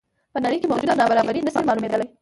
په نړۍ کې موجوده نابرابري نه شي معلومېدلی.